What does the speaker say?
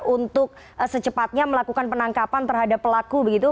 untuk secepatnya melakukan penangkapan terhadap pelaku begitu